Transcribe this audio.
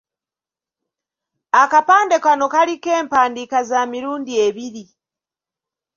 Akapande kano kaliko empandiika za mirundi ebiri.